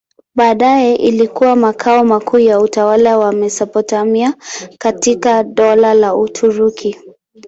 Baadaye ilikuwa makao makuu ya utawala wa Mesopotamia katika Dola la Uturuki.